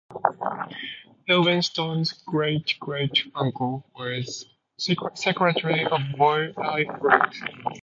Helvenston's great-great-uncle was Secretary of War Elihu Root.